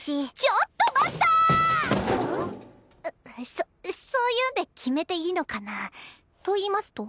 そそういうんで決めていいのかな？といいますと？